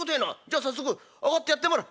じゃ早速上がってやってみろ」。